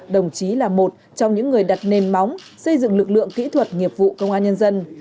đồng chí là một trong những người đặt nền móng xây dựng lực lượng kỹ thuật nghiệp vụ công an nhân dân